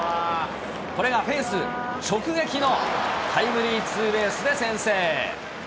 これがフェンス直撃のタイムリーツーベースで先制。